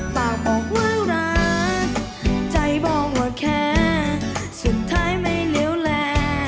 ปากบอกว่ารักใจบ่ว่าแค่สุดท้ายไม่เลี้ยวแล